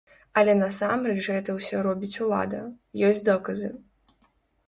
Але насамрэч гэта ўсё робіць улада, ёсць доказы.